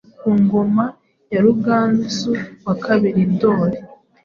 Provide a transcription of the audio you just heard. ku ngoma ya Ruganzu wa kabili Ndori.